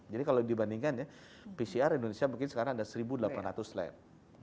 jadi kalau dibandingkan ya pcr di indonesia mungkin sekarang ada seribu delapan ratus lab